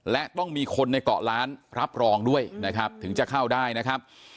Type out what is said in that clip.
และต้องมีคนในเกาะล้านรับรองด้วยนะครับถึงจะเข้าได้นะครับ